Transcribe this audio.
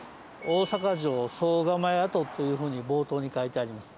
「大坂城惣構跡」という風に冒頭に書いてあります。